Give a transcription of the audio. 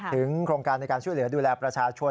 โครงการในการช่วยเหลือดูแลประชาชน